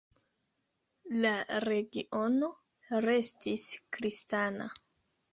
La regiono restis kristana.